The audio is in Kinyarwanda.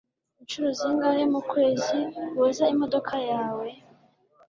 Inshuro zingahe mukwezi woza imodoka yawe?